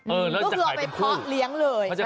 เออแล้วจะขายเป็นคู่เอาไปเพาะเลี้ยงเลย